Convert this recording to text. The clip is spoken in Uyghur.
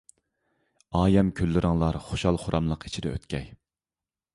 ئايەم كۈنلىرىڭلار خۇشال-خۇراملىق ئىچىدە ئۆتكەي!